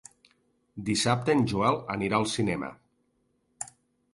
Dissabte en Joel anirà al cinema.